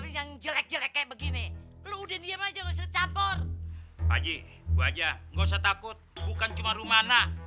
pajik gue aja gak usah takut bukan cuma rumah anak